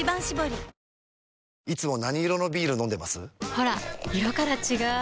ほら色から違う！